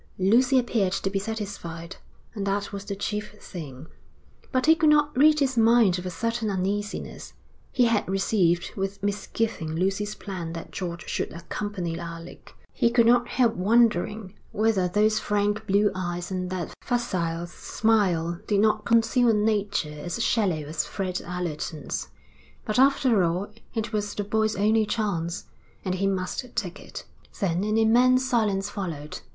Lucy appeared to be satisfied, and that was the chief thing. But he could not rid his mind of a certain uneasiness. He had received with misgiving Lucy's plan that George should accompany Alec. He could not help wondering whether those frank blue eyes and that facile smile did not conceal a nature as shallow as Fred Allerton's. But, after all, it was the boy's only chance, and he must take it. Then an immense silence followed.